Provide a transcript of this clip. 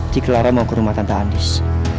dikelaro mau ke rumah tante andis